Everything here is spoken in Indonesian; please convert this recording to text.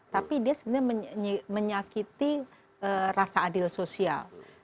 tapi dia sebenarnya menyakiti rasa adil sosial